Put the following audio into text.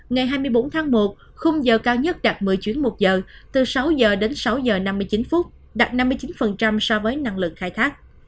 ngày hai mươi bốn tháng một khung giờ cao nhất đạt một mươi chuyến một giờ từ sáu giờ đến sáu giờ năm mươi chín phút đạt năm mươi chín so với năng lượng khai thác